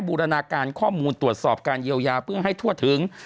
บูรณาการข้อมูลตรวจสอบการเยียวยาเพื่อให้ทั่วถึง